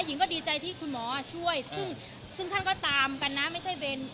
หญิงก็ดีใจที่คุณหมอช่วยซึ่งท่านก็ตามกันนะไม่ใช่เบน